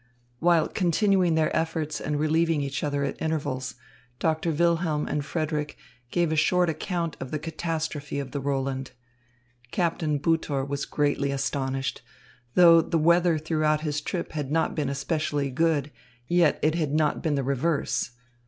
While continuing their efforts and relieving each other at intervals, Doctor Wilhelm and Frederick gave a short account of the catastrophe on the Roland. Captain Butor was greatly astonished. Though the weather throughout his trip had not been especially good, yet it had not been the reverse.